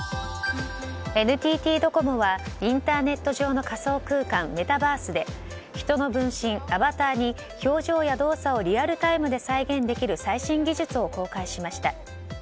ＮＴＴドコモはインターネット上の仮想空間メタバースで人の分身、アバターに表情や動作をリアルタイムで再現できる最新技術を公開しました。